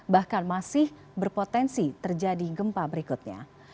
bahkan masih berpotensi terjadi gempa berikutnya